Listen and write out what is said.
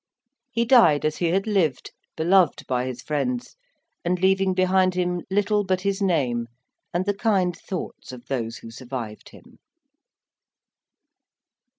He died as he had lived, beloved by his friends, and leaving behind him little but his name and the kind thoughts of those who survived him.